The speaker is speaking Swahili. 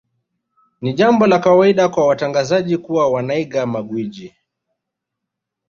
Ni jambo la kawaida kwa watangazaji kuwa wanaiga magwiji